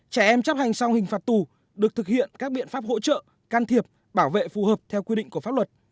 trẻ em chấp hành xong hình phạt tù được thực hiện các biện pháp hỗ trợ can thiệp bảo vệ phù hợp theo quy định của pháp luật